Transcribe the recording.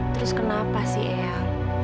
terus kenapa sih eyang